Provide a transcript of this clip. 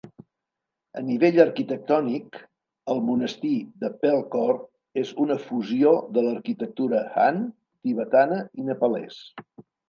A nivell arquitectònic, el monestir de Pelkhor és una fusió de l"arquitectura han, tibetana i nepalès.